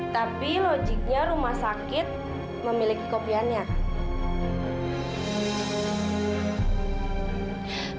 tapi logiknya rumah sakit memiliki kopiannya